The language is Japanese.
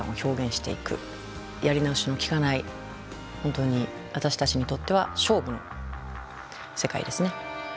やり直しのきかない本当に私たちにとっては勝負の世界ですね。